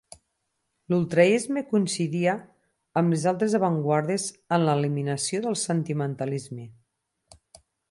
L'ultraisme coincidia amb les altres avantguardes en l'eliminació del sentimentalisme.